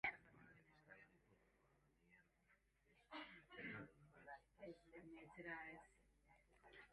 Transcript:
Erosteko ahalmenak behera egin du, baita autobideetako bidesariek ere.